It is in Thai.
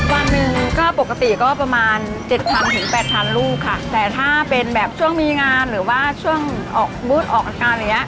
วันหนึ่งก็ปกติก็ประมาณเจ็ดพันถึงแปดพันลูกค่ะแต่ถ้าเป็นแบบช่วงมีงานหรือว่าช่วงออกบูธออกอาการอย่างเงี้